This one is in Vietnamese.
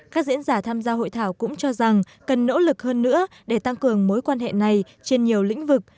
các diễn giả tham gia hội thảo cũng cho rằng cần nỗ lực hơn nữa để tăng cường mối quan hệ này trên nhiều lĩnh vực